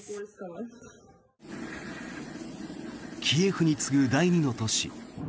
キエフに次ぐ第２の都市